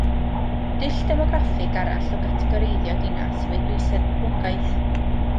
Dull demograffig arall o gategoreiddio dinas yw ei dwysedd poblogaeth